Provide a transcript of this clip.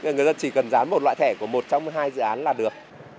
người dân chỉ cần dán một loại thẻ của một trong hai dự án là được